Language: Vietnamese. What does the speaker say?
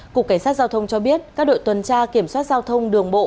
cục cảnh sát giao thông cho biết các đội tuần tra kiểm soát giao thông đường bộ